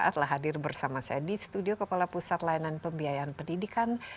telah hadir bersama saya di studio kepala pusat layanan pembiayaan pendidikan